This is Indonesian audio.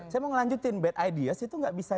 saya mau ngelanjutin bad ideas itu nggak bisa